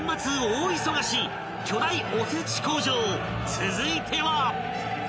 ［続いては］